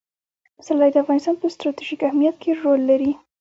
پسرلی د افغانستان په ستراتیژیک اهمیت کې رول لري.